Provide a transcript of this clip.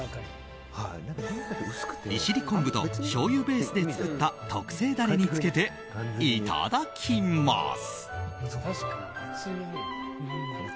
利尻昆布としょうゆベースで作った特製ダレにつけていただきます。